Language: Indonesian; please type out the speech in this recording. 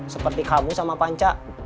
seperti kamu sama panca